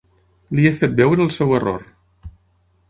Li he fet veure el seu error.